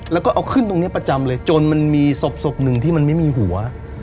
แล้วก็เอาขึ้นตรงนี้ประจำเลยจนมันมีศพหนึ่งที่มันไม่มีหัว